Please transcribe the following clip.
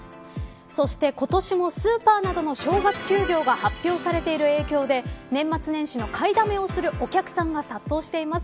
そして今年もスーパーなどの正月休業が発表されている影響で年末年始の買いだめをするお客さんが殺到しています。